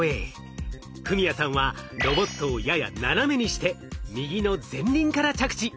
史哉さんはロボットをやや斜めにして右の前輪から着地。